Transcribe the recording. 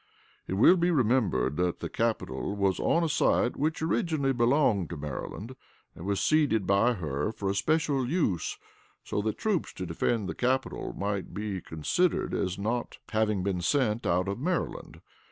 It will be remembered that the capital was on a site which originally belonged to Maryland, and was ceded by her for a special use, so that troops to defend the capital might be considered as not having been sent out of Maryland.